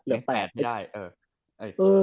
เหลือ๘ได้